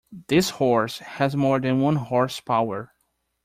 This horse has more than one horse power.